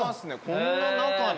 こんな中に？